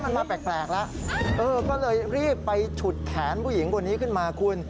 มันมาแปลกแล้วก็เลยรีบไปฉุดแขนผู้หญิงคนนี้ขึ้นมาคุณ